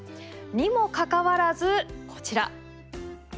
にもかかわらずこちら。